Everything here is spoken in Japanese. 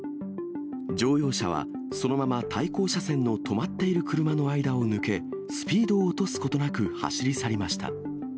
乗用車はそのまま対向車線の止まっている車の間を抜け、スピードを落とすことなく走り去りました。